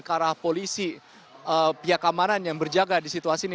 ke arah polisi pihak keamanan yang berjaga di situasi ini